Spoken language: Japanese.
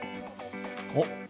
おっ。